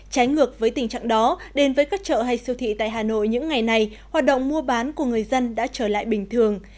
trái ngược với tình trạng đó đến với các chợ hay siêu thị tại hà nội những ngày này hoạt động mua bán của người dân đã trở lại bình thường